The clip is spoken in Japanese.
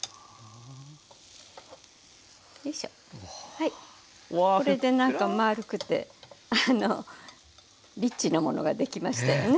はいこれで何か丸くてリッチなものができましたよね。